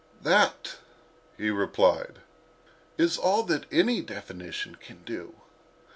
"That," he replied, "is all that any definition can do.